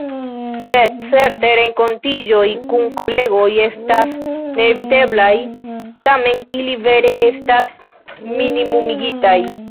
Sed certe renkontiĝoj kun kolegoj estas neeviteblaj, tamen ili vere estas minimumigitaj.